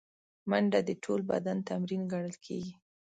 منډه د ټول بدن تمرین ګڼل کېږي